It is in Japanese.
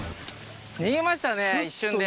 逃げましたね一瞬で。